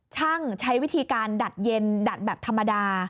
ใช้วิธีการดัดเย็นดัดแบบธรรมดา